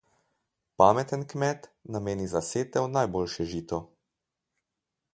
Pameten kmet nameni za setev najboljše žito.